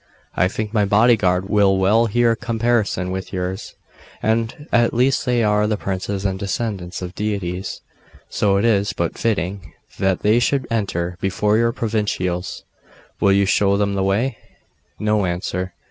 'I think my bodyguard will well hear comparison with yours. At least they are the princes and descendants of deities. So it is but fitting that they should enter before your provincials. Will you show them the way?' No answer.